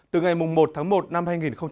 từ ngày một tháng một năm hai nghìn hai mươi